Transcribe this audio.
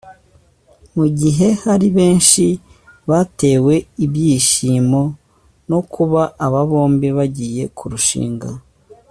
Mu gihe hari benshi batewe ibyishimo no kuba aba bombi bagiye kurushinga